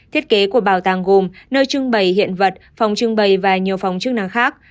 thiết kế của bảo tàng gồm nơi trưng bày hiện vật phòng trưng bày và nhiều phòng chức năng khác